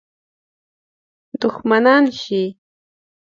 دښمنان شي.